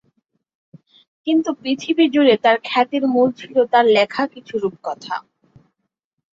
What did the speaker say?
কিন্তু পৃথিবী জুড়ে তার খ্যাতির মূলে ছিলো তার লেখা কিছু রূপকথা।